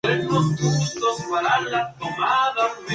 Sin embargo, tales tratamientos rara vez han sido probados.